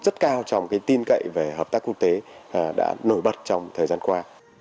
rất cao trong tin cậy về hợp tác quốc tế đã nổi bật trong thời gian qua